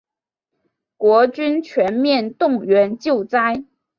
国军全面动员救灾